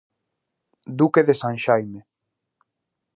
Duque de San Xaime.